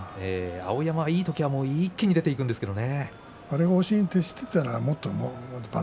碧山はいい時には一気に出ていくんですけどね。